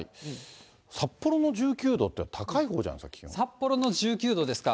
札幌の１９度って高いほうじゃないですか、札幌の１９度ですか。